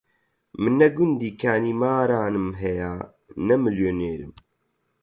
من نە گوندی کانیمارانم هەیە، نە میلیونێرم